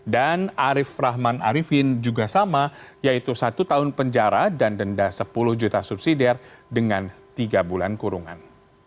dan arief rahman arifin juga sama yaitu satu tahun penjara dan denda sepuluh juta subsidiare dengan tiga bulan kurungan